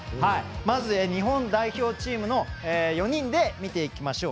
まず日本代表チームの４人で見ていきましょう。